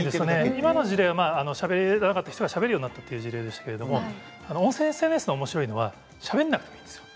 今の事例はしゃべれない人がしゃべれるようになったっていう事例でしたけれども音声ＳＮＳのおもしろいところはしゃべらなくてもいいんですよ。